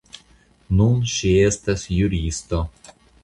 Nun ŝi estas juristo.